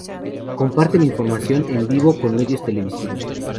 Comparten información en vivo con medios televisivos.